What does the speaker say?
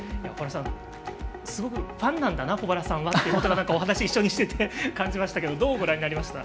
すごくファンなんだなということがお話をしていて感じましたけどどうご覧になりましたか？